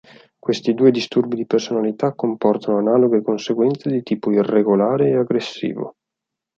Questi due disturbi di personalità comportano analoghe conseguenze di tipo irregolare e aggressivo.